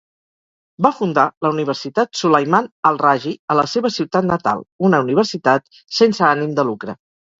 Va fundar la universitat Sulaiman Al Rajhi a la seva ciutat natal, una universitat sense ànim de lucre.